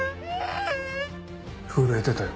震えてたよ